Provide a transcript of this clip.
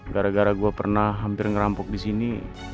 karena saya pernah hampir merampok di sini